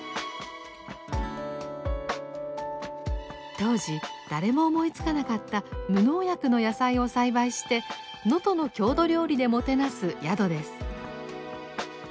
当時誰も思いつかなかった無農薬の野菜を栽培して能登の郷土料理でもてなす宿です。